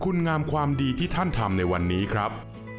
คุณงามความดีที่ท่านทำในวันนี้ครับ